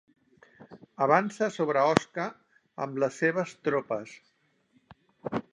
Avança sobre Osca amb les seves tropes.